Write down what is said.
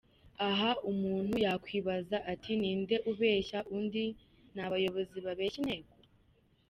Aha umuntu yakwibaza ati”ninde ubeshya undi ?Ni abayobozi babeshya inteko?